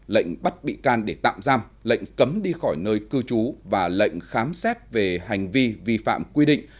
lệnh bắt bị can để tạm giam lệnh cấm đi khỏi nơi cư trú và lệnh khám xét về hành vi vi phạm quy định